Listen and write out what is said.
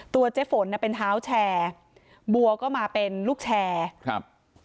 เจ๊ฝนน่ะเป็นเท้าแชร์บัวก็มาเป็นลูกแชร์ครับ